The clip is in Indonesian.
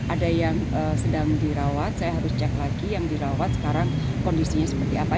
ada yang sedang dirawat saya harus cek lagi yang dirawat sekarang kondisinya seperti apa